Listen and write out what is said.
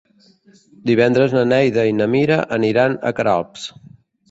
Divendres na Neida i na Mira aniran a Queralbs.